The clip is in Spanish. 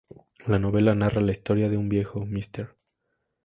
La novela narra la historia de un viejo, Mr.